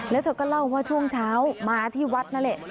แล้วเธอก็เล่าว่าช่วงเช้ามาที่วัดนั่นแหละ